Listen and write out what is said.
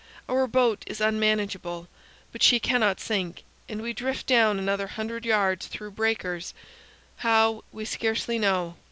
Our boat is unmanageable, but she cannot sink, and we drift down another hundred yards through breakers how, we scarcely know.